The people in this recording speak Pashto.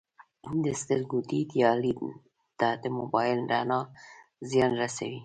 د سترګو دید یا لید ته د موبایل رڼا زیان رسوي